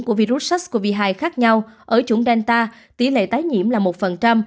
của virus sars cov hai khác nhau ở chủng delta tỷ lệ tái nhiễm là một